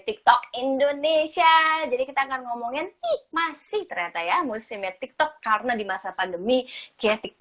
tik tok indonesia jadi kita akan ngomongin masih ternyata ya musimnya tik tok karena di masa pandemi